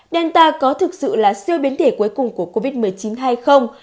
delta có thực sự là siêu biến thể cuối cùng của covid một mươi chín hay không